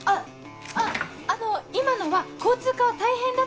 あっあの今のは交通課は大変だという意味で。